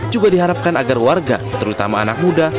juga diharapkan agar warga terutama anak muda